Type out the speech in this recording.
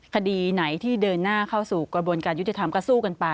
คดีไหนที่เดินหน้าเข้าสู่กระบวนการยุติธรรมก็สู้กันไป